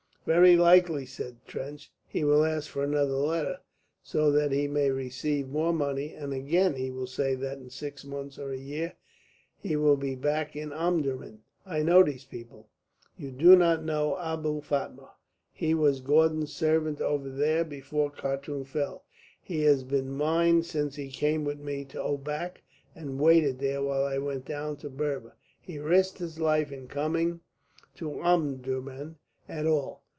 "Very likely," said Trench. "He will ask for another letter, so that he may receive more money, and again he will say that in six months or a year he will be back in Omdurman. I know these people." "You do not know Abou Fatma. He was Gordon's servant over there before Khartum fell; he has been mine since. He came with me to Obak, and waited there while I went down to Berber. He risked his life in coming to Omdurman at all.